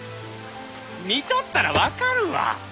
見とったらわかるわ！